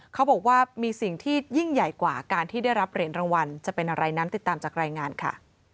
เขาบอกว่ามีสิ่งที่ยิ่งใหญ่กว่าการที่ได้รับเหรียญรางวัลจะเป็นอะไรนั้นติดตามจากรายงานค่ะ